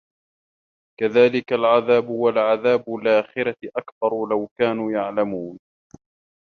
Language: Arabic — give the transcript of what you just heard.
كَذلِكَ العَذابُ وَلَعَذابُ الآخِرَةِ أَكبَرُ لَو كانوا يَعلَمونَ